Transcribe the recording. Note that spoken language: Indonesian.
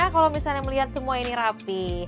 kalau misalnya melihat semua ini rapi